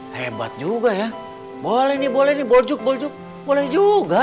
hebat juga ya boleh nih boleh nih bojuk bojuk boleh juga